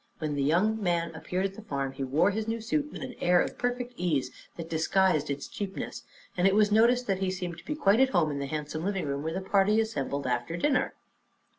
When the young man appeared at the farm he wore his new suit with an air of perfect ease that disguised its cheapness, and it was noticed that he seemed quite at home in the handsome living room, where the party assembled after dinner.